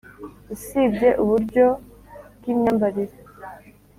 usibye uburyo bw’imyambarire,